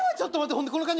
ほんでこの感じ